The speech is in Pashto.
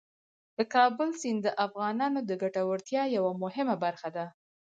د کابل سیند د افغانانو د ګټورتیا یوه مهمه برخه ده.